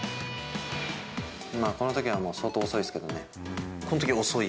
このときはもう相当遅いですこのとき遅い？